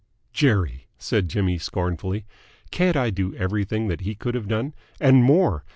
"Jerry!" said Jimmy scornfully. "Can't I do everything that he could have done? And more.